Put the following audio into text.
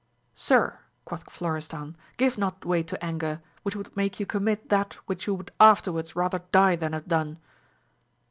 Sir, quoth Florestan, give not way to anger, which would make you commit that which you would afterwards rather die than have done.